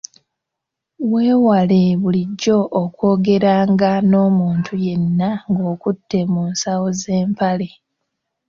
Weewale bulijjo okwogeranga n’omuntu yenna ng’okutte mu nsawo z’empale.